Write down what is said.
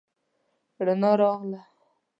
رڼا راغله